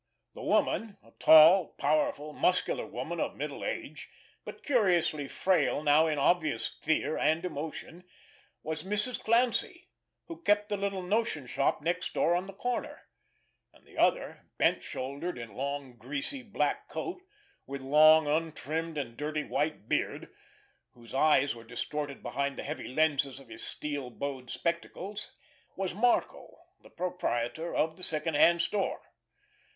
The woman, a tall, powerful, muscular woman of middle age, but curiously frail now in obvious fear and emotion, was Mrs. Clancy, who kept the little notion shop next door on the corner; and the other, bent shouldered, in long, greasy black coat, with long, untrimmed and dirty white beard, whose eyes were distorted behind the heavy lenses of his steel bowed spectacles, was Marco, the proprietor of the second hand store.